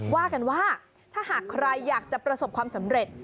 ว่ากันว่าถ้าหากใครอยากจะประสบความสำเร็จ